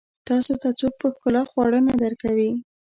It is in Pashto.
تاسو ته څوک په ښکلا خواړه نه درکوي.